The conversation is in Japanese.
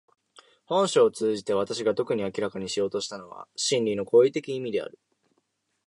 本書を通じて私が特に明らかにしようとしたのは真理の行為的意味である。